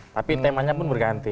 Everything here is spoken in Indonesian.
tapi temanya pun berganti